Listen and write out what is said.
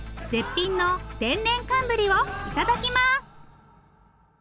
絶品の天然寒ブリをいただきます！